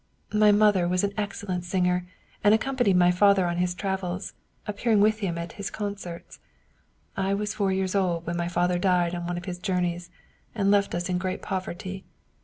My mother was an excellent singer, and accompanied my father on his travels, appearing with him at his concerts. I was four years old when my father died on one of his journeys, and left us in great poverty.